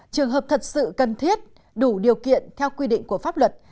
trường hợp thật sự cần thiết đủ điều kiện theo quy định của pháp luật